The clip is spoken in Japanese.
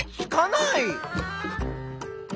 つかない。